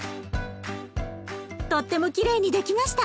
とってもきれいに出来ました。